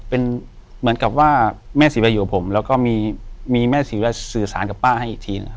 เป็นเหมือนกับว่าแม่ศรีไปอยู่กับผมแล้วก็มีแม่ศรีสื่อสารกับป้าให้อีกทีนะครับ